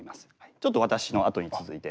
ちょっと私のあとに続いて。